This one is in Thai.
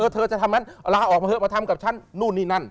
เธอจะทำนั้นลาออกมาเถอะมาทำกับฉันนู่นนี่นั่น